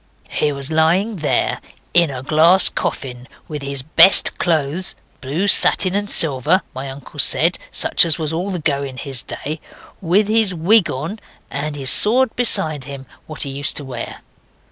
He was lying there in a glass coffin with his best clothes blue satin and silver, my uncle said, such as was all the go in his day, with his wig on, and his sword beside him, what he used to wear.